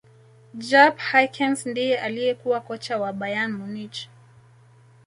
jupp hyckens ndiye alikuwa kocha wa bayern munich